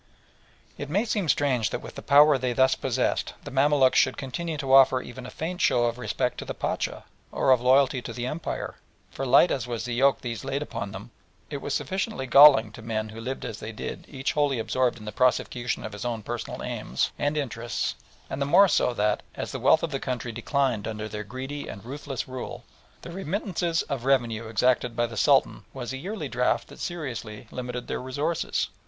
It may seem strange that with the power they thus possessed the Mamaluks should continue to offer even a faint show of respect to the Pacha, or of loyalty to the Empire, for light as was the yoke these laid upon them, it was sufficiently galling to men who lived as they did each wholly absorbed in the prosecution of his own personal aims and interests, and the more so that, as the wealth of the country declined under their greedy and ruthless rule, the remittances of revenue exacted by the Sultan was a yearly draft that seriously limited their resources.